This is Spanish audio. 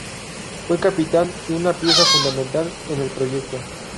Fue capitán y una pieza fundamental en el proyecto.